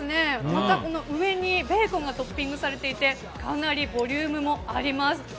また、上にベーコンがトッピングされていてかなりボリュームもあります。